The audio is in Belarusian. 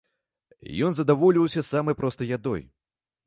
Ён задавольваўся самай простай ядой.